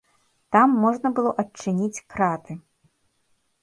Там можна было адчыніць краты.